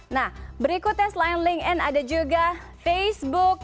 nah berikutnya selain linkedin ada juga facebook